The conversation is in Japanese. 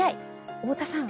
太田さん